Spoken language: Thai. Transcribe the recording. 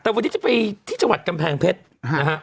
แต่วันนี้จะไปที่จังหวัดกำแพงเพชรนะฮะ